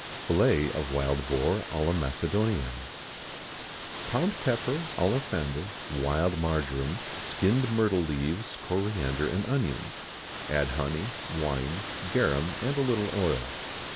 [XIX ] Fillet of Wild Boar à la Macédonienne. Pound pepper, alisander, wild marjoram, skinned myrtle leaves, coriander, and onions; add honey, wine, garum, and a little oil.